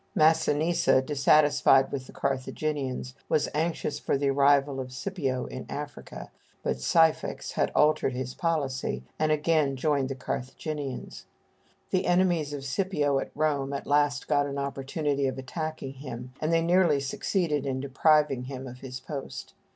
Massinissa, dissatisfied with the Carthaginians, was anxious for the arrival of Scipio in Africa, but Syphax had altered his policy, and again joined the Carthaginians. The enemies of Scipio at Rome at last got an opportunity of attacking him, and they nearly succeeded in depriving him of his post.